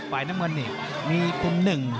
ฝ่ายน้ำเงินนี่มีคุณหนึ่ง